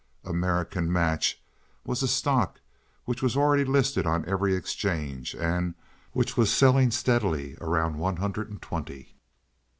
"American Match" was a stock which was already listed on every exchange and which was selling steadily around one hundred and twenty.